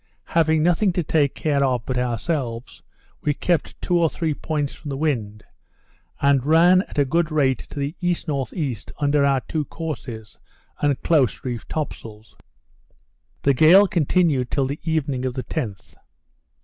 Having nothing to take care of but ourselves, we kept two or three points from the wind, and run at a good rate to the E.N.E. under our two courses, and close reefed topsails. The gale continued till the evening of the 10th.